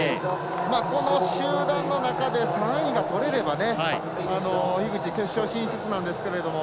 この集団の中で３位がとれれば樋口、決勝進出なんですけど。